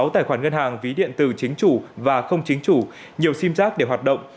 một mươi sáu tài khoản ngân hàng ví điện tử chính chủ và không chính chủ nhiều sim giáp để hoạt động